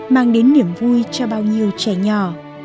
mang đến niềm vui cho bao nhiêu trẻ nhỏ